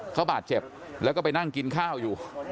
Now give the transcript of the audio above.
เขาบาดเจ็บแล้วก็ไปนั่งกินข้าวอยู่